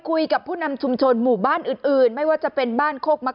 คุยกับผู้นำชุมชนหมู่บ้านอื่นไม่ว่าจะเป็นบ้านโคกมะ